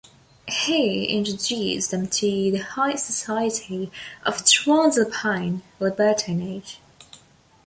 He introduced them to the high society of transalpine libertinage.